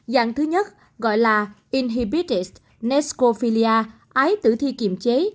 dạng thứ nhất gọi là inhibited necrophilia ái tử thi kiềm chế